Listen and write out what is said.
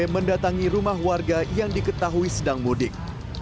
mendatangi rumah warga yang diketahui sedang mudik